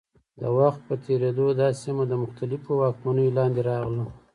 د وخت په تېرېدو دا سیمه د مختلفو واکمنیو لاندې راغله.